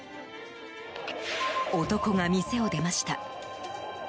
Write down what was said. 男が店を出ました。